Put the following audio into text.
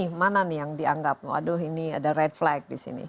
ini mana nih yang dianggap waduh ini ada red flag di sini